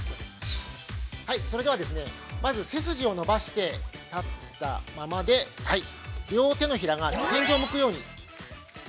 それではですね、まず、背筋を伸ばして、立ったままで両手のひらが天井を向くように。